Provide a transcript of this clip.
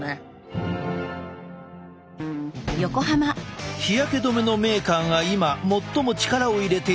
日焼け止めのメーカーが今最も力を入れている研究がある。